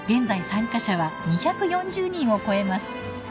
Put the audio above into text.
参加者は２４０人を超えます。